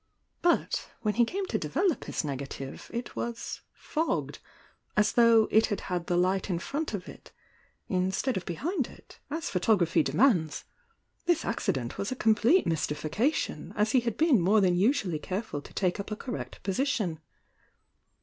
But when he came to develop his negative it was fogged," as though it had had the light in front of It mstead of behmd it, as photography demands. This accident was a complete mystification, as he had been more than usually careful to take up a cor rect position.